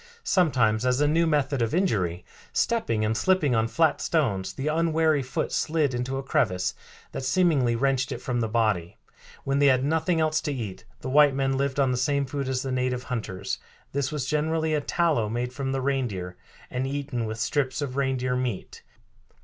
Sometimes as a new method of injury, stepping and slipping on flat stones, the unwary foot slid into a crevice that seemingly wrenched it from the body." When they had nothing else to eat the white men lived on the same food as the native hunters. This was generally a tallow made from the reindeer, and eaten with strips of reindeer meat.